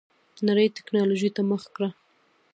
نړۍ ټيکنالوجۍ ته مخه کړه.